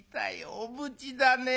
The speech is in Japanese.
おぶちだね。